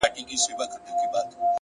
د زړې کلي چتونه د باران غږ بل ډول ساتي.!